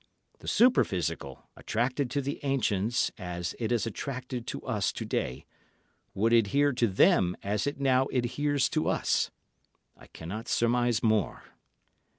The superphysical, attracted to the ancients as it is attracted to us to day, would adhere to them as it now adheres to us. I cannot surmise more.